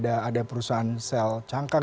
ada perusahaan sel cangkang